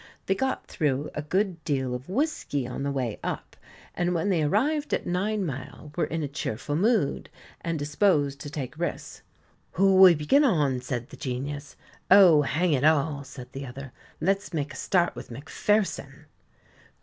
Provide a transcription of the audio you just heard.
They got through a good deal of whisky on the way up, and when they arrived at Ninemile were in a cheerful mood, and disposed to take risks. "Who'll we begin on?" said the Genius. "Oh, hang it all," said the other, "let's make a start with Macpherson."